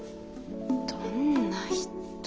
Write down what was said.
どんな人。